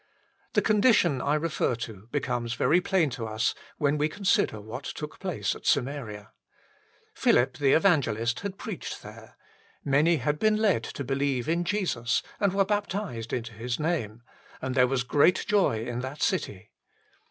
The condition I refer to becomes very plain to us when we consider what took place at Samaria. Philip the evangelist had preached there ; many had been led to believe in Jesus and were baptized into His name ; and there was great joy in that city.